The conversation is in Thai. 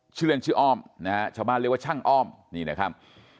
ชื่อเล่นชื่ออ้อมนะฮะชาวบ้านเรียกว่าช่างอ้อมนี่นะครับ